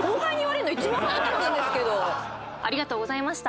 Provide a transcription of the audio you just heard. なんかありがとうございました。